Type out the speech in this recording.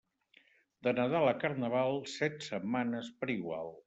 De Nadal a Carnaval, set setmanes per igual.